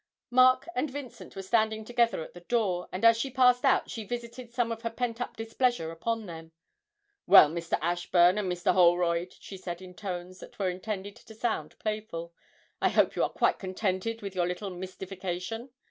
Mark and Vincent were standing together at the door, and as she passed out she visited some of her pent up displeasure upon them. 'Well, Mr. Ashburn and Mr. Holroyd,' she said, in tones that were intended to sound playful, 'I hope you are quite contented with your little mystification?